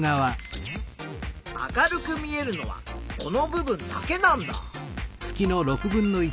明るく見えるのはこの部分だけなんだ。